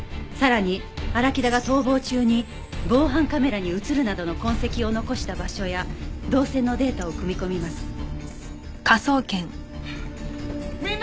さらに荒木田が逃亡中に防犯カメラに映るなどの痕跡を残した場所や動線のデータを組み込みます。